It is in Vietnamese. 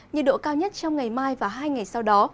nhiệt độ cao nhất trong ngày mai và hai ngày sau đó